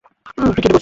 তুই এটা কি করেছিস?